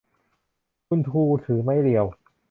คุณครูถือไม้เรียว